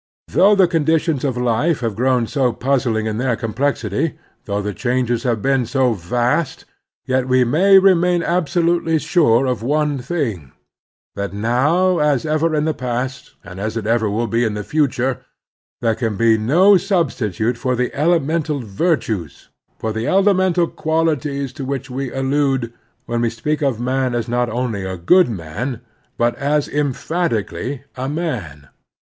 Though the conditions of life have grown so puzzling in their complexity, though the changes have been so vast, yet we may remain absolutely stire of one thing, that now, as ever in the past, and as it ever will be in the future, there can be no sub stitute for the elemental virtues, for the elemental qualities to which we allude when we speak of a man as not only a good man but as emphatically a man.